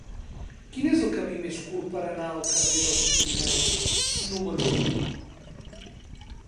Quin és el camí més curt per anar al carrer dels Pirineus número u?